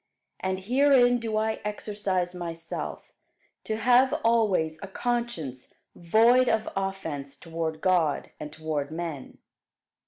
And herein do I exercise myself, to have always a conscience void of offence toward God, and toward men.